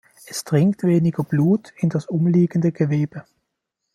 Es dringt weniger Blut in das umliegende Gewebe.